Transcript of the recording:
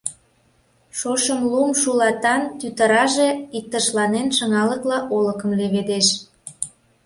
Шошым лум шулатан тӱтыраже, иктышланен, шыҥалыкла олыкым леведеш.